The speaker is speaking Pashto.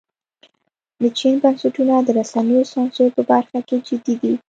د چین بنسټونه د رسنیو سانسور په برخه کې جدي دي.